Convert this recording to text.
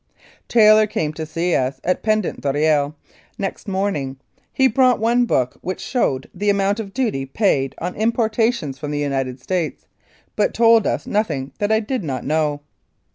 Taylor came to see us at Pendant d'Oreille next morning. He brought one book which showed the amount of duty paid on importations from the United States, but told us nothing that I did not know.